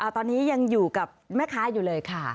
ตอนนี้ยังอยู่กับแม่ค้าอยู่เลยค่ะ